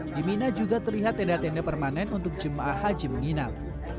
di mina juga terlihat tenda tenda permanen untuk jemaah haji menginap